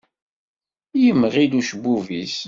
Yemɣi-d ucebbub-is.